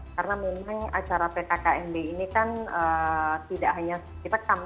karena memang acara pt kmd ini kan tidak hanya kita kampus